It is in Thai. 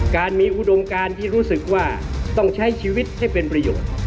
การมีอุดมการที่รู้สึกว่าต้องใช้ชีวิตให้เป็นประโยชน์